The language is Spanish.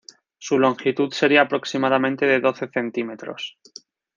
Su longitud sería aproximadamente de doce centímetros.